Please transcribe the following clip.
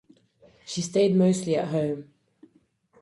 She stayed mostly at home.